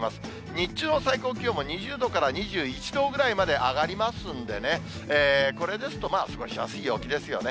日中の最高気温も２０度から２１度ぐらいまで上がりますんでね、これですと、まあ、過ごしやすい陽気ですよね。